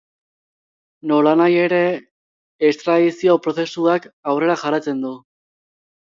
Nolanahi ere, estradizio prozesuak aurrera jarraitzen du.